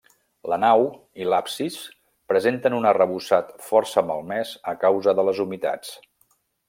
La nau i l'absis presenten un arrebossat força malmès a causa de les humitats.